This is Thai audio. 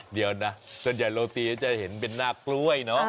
เดี๋ยวนะส่วนใหญ่โรตีก็จะเห็นเป็นหน้ากล้วยเนอะ